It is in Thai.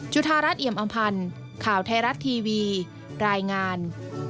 จุธารัฐเอี่ยมอำพันธ์ข่าวไทยรัฐทีวีรายงาน